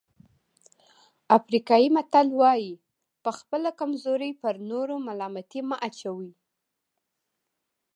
افریقایي متل وایي په خپله کمزوري پر نورو ملامتي مه اچوئ.